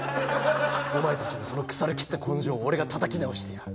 お前たちのその腐りきった根性を俺がたたき直してやる。